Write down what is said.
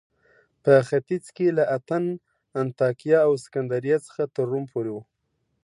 په ختیځ کې له اتن، انطاکیه او سکندریې څخه تر روم پورې و